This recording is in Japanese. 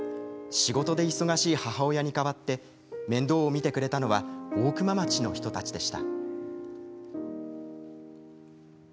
仕事で忙しい母親に代わって面倒を見てくれたのは大熊町の人たちでした。